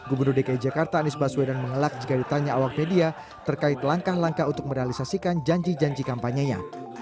gubernur dki jakarta anies baswedan mengelak jika ditanya awak media terkait langkah langkah untuk merealisasikan janji janji kampanyenya